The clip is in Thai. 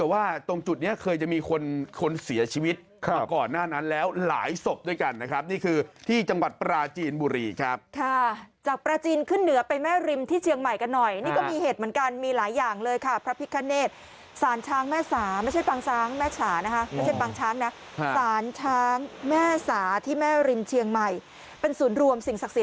แต่ว่าตรงจุดนี้เคยจะมีคนคนเสียชีวิตมาก่อนหน้านั้นแล้วหลายศพด้วยกันนะครับนี่คือที่จังหวัดปราจีนบุรีครับค่ะจากปลาจีนขึ้นเหนือไปแม่ริมที่เชียงใหม่กันหน่อยนี่ก็มีเหตุเหมือนกันมีหลายอย่างเลยค่ะพระพิคเนตสารช้างแม่สาไม่ใช่ปางช้างแม่สานะคะไม่ใช่ปางช้างนะสารช้างแม่สาที่แม่ริมเชียงใหม่เป็นศูนย์รวมสิ่งศักดิ์